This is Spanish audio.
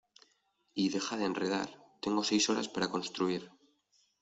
y deja de enredar. tengo seis horas para construir